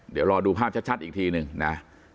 เดี๋ยวรอดูภาพชัดอีกทีหนึ่งนะ